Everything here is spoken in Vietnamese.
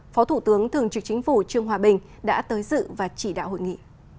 phó thủ tướng thường trực chính phủ trương hòa bình đã tới dự và chỉ đạo hội nghị